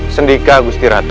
sendika gusti ratu